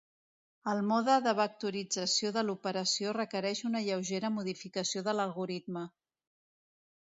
El mode de vectorització de l'operació requereix una lleugera modificació de l'algoritme.